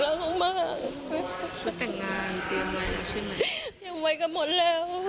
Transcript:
ไปเตรียมไว้กันหมดแล้ว